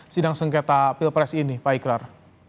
sidang sengketa pilpres ini pak ikrar